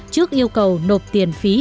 trước yêu cầu nộp tiền phí